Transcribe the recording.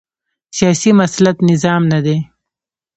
سیاسي مسلط نظام نه دی